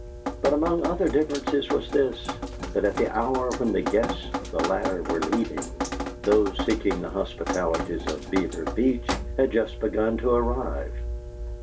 But among other differences was this, that at the hour when the guests of the latter were leaving, those seeking the hospitalities of Beaver Beach had just begun to arrive.